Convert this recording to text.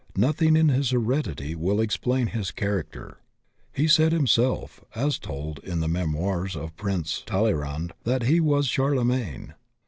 Nothing in his heredity will explain his character. He said himself, as told in the Memoirs of Prince Talleyrand, that he was Charlemagne.